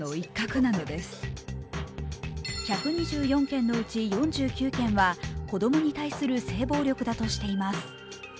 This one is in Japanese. １２４件のうち４９件は子供に対する性暴力だとしています。